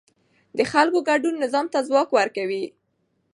د خلکو ګډون نظام ته ځواک ورکوي